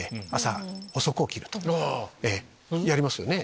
やりますよね？